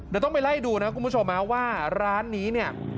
เดี๋ยวต้องไปไล่ดูนะคุณผู้ชมนะว่าร้านนี้เนี่ย